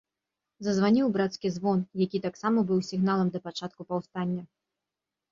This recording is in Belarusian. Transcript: Зазваніў брацкі звон, які таксама быў сігналам да пачатку паўстання.